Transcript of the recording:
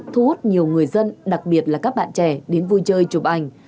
thu hút nhiều người dân đặc biệt là các bạn trẻ đến vui chơi chụp ảnh